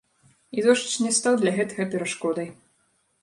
І дождж не стаў для гэтага перашкодай.